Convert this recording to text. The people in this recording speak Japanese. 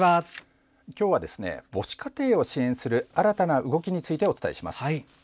今日は母子家庭を支援する新たな動きについてお伝えします。